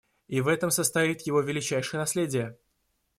И в этом состоит его величайшее наследие.